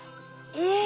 え！